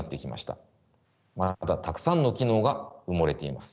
まだたくさんの機能が埋もれています。